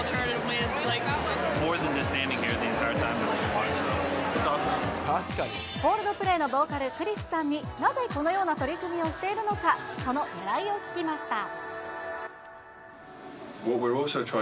コールドプレイのボーカル、クリスさんになぜ、このような取り組みをしているのか、そのねらいを聞きました。